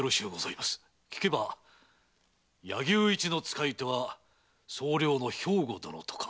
聞けば柳生一のつかい手は総領の兵庫殿とか。